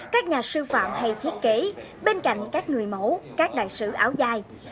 các nhà sư phạm hay thiết kế bên cạnh các người mẫu các đại sứ áo dài